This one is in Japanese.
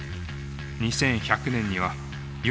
２１００年には４７日。